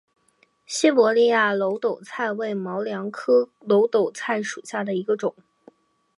西伯利亚耧斗菜为毛茛科耧斗菜属下的一个种。